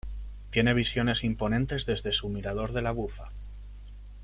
Tiene visiones imponentes desde su mirador de la Bufa.